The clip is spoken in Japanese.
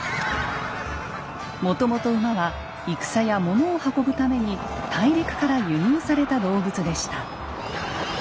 もともと馬は戦や物を運ぶために大陸から輸入された動物でした。